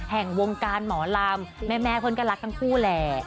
แห่งวงการหมอลำแม่เพื่อนก็รักทั้งคู่แหละ